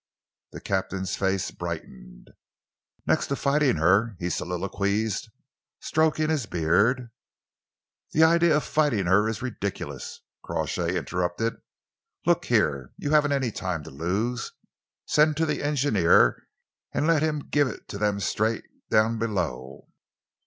The captain's face brightened. "Next to fighting her," he soliloquised, stroking his beard, "The idea of fighting her is ridiculous," Crawshay interrupted. "Look here, you haven't any time to lose. Send to the engineer and let him give it to them straight down below.